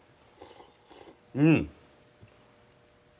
うん。